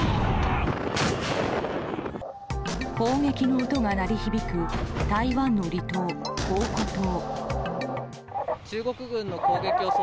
砲撃の音が鳴り響く台湾の離島、澎湖島。